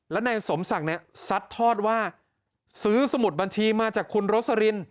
และนายสมศักดิ์เนี่ยซัดทอดว่าซื้อสมุดบัญชีมาจากคุณโรสลิน